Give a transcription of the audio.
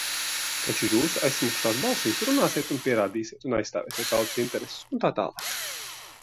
Taču jūs aizsmakušās balsīs runāsiet un pierādīsiet, un aizstāvēsiet tautas intereses, un tā tālāk.